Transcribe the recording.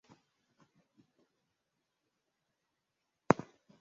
kuwahi kushinda taji la dereva bora la landa langa